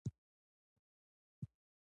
د ځان باور د هر سفر پیل دی.